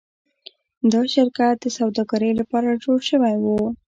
دا شرکت د سوداګرۍ لپاره جوړ شوی و.